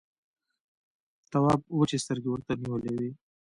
تواب وچې سترګې ورته نيولې وې.